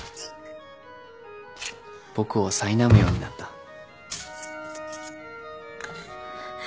僕をさいなむようになった。